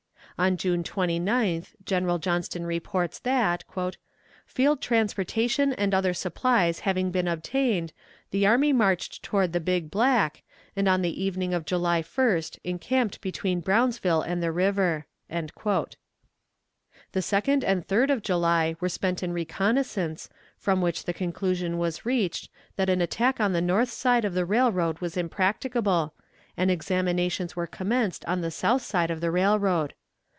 On June 29th General Johnston reports that "Field transportation and other supplies having been obtained, the army marched toward the Big Black, and on the evening of July 1st encamped between Brownsville and the river." The 2d and 3d of July were spent in reconnaissance, from which the conclusion was reached that an attack on the north side of the railroad was impracticable, and examinations were commenced on the south side of the railroad.